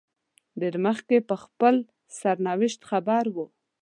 ډېر مخکې په خپل سرنوشت خبر وو.